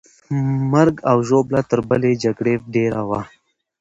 مرګ او ژوبله تر بلې جګړې ډېره وه.